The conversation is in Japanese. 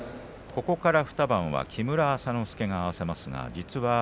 ここから２番は木村朝之助が合わせます。